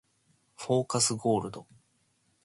フォーカスゴールド